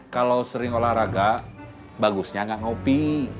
kalau sering olahraga bagusnya nggak ngopi